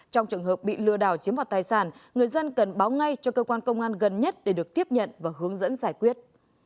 trong trường hợp bị lừa đảo chiếm hoạt tài sản người dân cần báo ngay cho cơ quan công an gần nhất để được tiếp nhận và hướng dẫn giải quyết